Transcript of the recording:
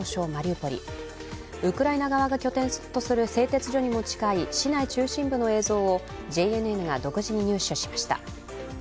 ウクライナ側が拠点とする製鉄所にも近い市内中心部の映像をＪＮＮが独自に入手しました。